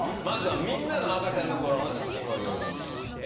みんなの赤ちゃんの頃の写真を用意しています。